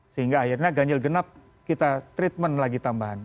sehingga akhirnya ganjil genap kita treatment lagi tambahan